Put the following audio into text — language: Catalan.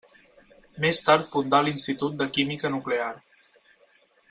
Més tard fundà l'Institut de Química Nuclear.